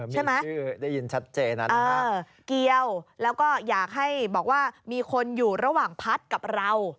ใช่ไหมเกียวแล้วก็อยากให้บอกว่ามีคนอยู่ระหว่างพัฒกับเรา